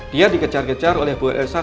dia dikejar kejar oleh bu el salah